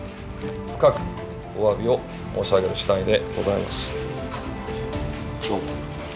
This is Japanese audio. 深くおわびを申し上げるしだいでございます。